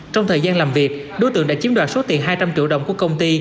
trong thời gian làm việc đối tượng đã chiếm đoạt số tiền hai trăm linh triệu đồng của công ty